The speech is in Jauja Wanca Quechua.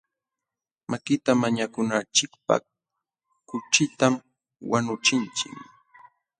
Makita mañakunachikpaq kuchitam wañuchinchik.